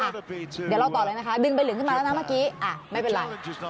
เดี๋ยวเราต่อเลยนะคะดึงใบเหลืองขึ้นมาแล้วนะเมื่อกี้ไม่เป็นไร